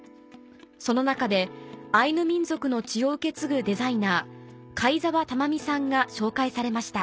その中でアイヌ民族の血を受け継ぐデザイナー貝澤珠美さんが紹介されました